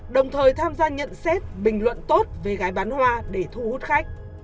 đồng thời tham gia nhận xét bình luận tốt về gái bán hoa để thu hút khách